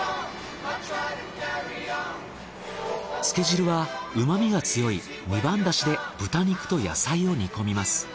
つけ汁は旨みが強い二番だしで豚肉と野菜を煮込みます。